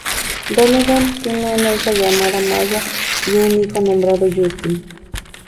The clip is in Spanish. Donegan tiene una hija llamada Maya y un hijo nombrado Justin.